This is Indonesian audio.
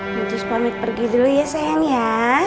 putus pamit pergi dulu ya sayang ya